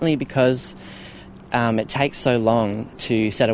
membutuhkan waktu untuk memotong uang itu